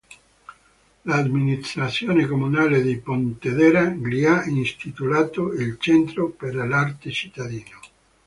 L'Amministrazione comunale di Pontedera gli ha intitolato il Centro per l'Arte cittadino.